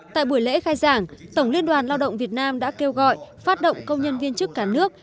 tại buổi lễ khai giảng tổng liên đoàn lao động việt nam đã kêu gọi phát động công nhân viên chức cả nước